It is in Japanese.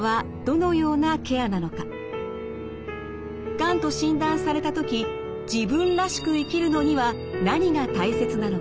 がんと診断された時自分らしく生きるのには何が大切なのか。